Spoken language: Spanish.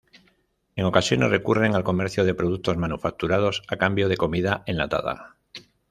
En ocasiones recurren al comercio de productos manufacturados a cambio de comida enlatada.